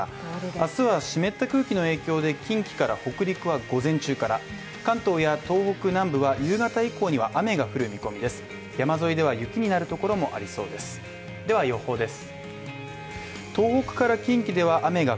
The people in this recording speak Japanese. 明日は湿った空気の影響で近畿から北陸は午前中から関東や東北南部は夕方以降には雨が降る見込みです。